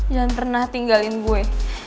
jangan pernah tinggalin gue